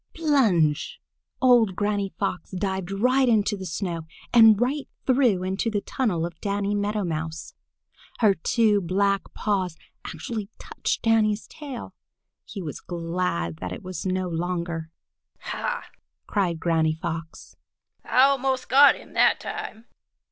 Plunge! Old Granny Fox dived right into the snow and right through into the tunnel of Danny Meadow Mouse. Her two black paws actually touched Danny's tail. He was glad then that it was no longer. "Ha!" cried Granny Fox, "I almost got him that time!"